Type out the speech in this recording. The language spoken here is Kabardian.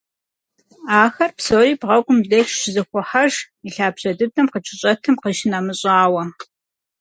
Ахэр псори бгъэгум деж щызэхохьэж, и лъабжьэ дыдэм къыкӏэщӏэтым къищынэмыщӏауэ.